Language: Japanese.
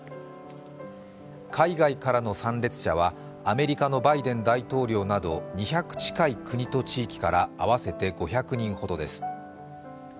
海外からの参列者はアメリカのバイデン大統領など２００近い国と地域から合わせて５００人ほどです。